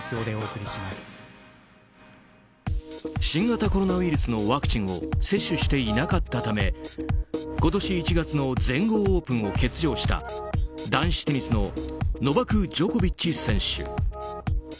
新型コロナウイルスのワクチンを接種していなかったため今年１月の全豪オープンを欠場した男子テニスのノバク・ジョコビッチ選手。